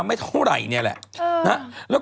คุณหมอโดนกระช่าคุณหมอโดนกระช่า